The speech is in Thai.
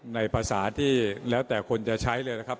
ในภาษาที่แล้วแต่คนจะใช้เลยนะครับ